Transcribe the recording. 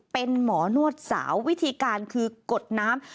เป็นหมอนวดสาววิธีการคือกดน้ำ